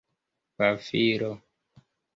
pafilo